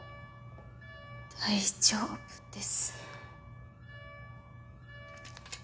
大丈夫です。